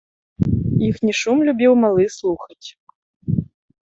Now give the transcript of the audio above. Іхні шум любіў малы слухаць.